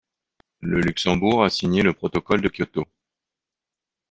Le Luxembourg a signé le protocole de Kyoto.